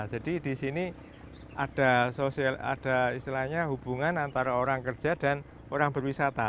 jadi di sini ada hubungan antara orang kerja dan orang berwisata